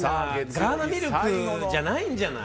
ガーナミルクじゃないんじゃない？